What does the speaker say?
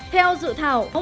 theo dự thảo